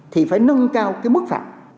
thì phải nâng cao cái mức phạt